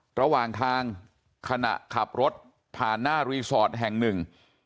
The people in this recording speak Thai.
ระหว่างทางขณะขับรถผ่านหน้ารีสอร์ทแห่งหนึ่ง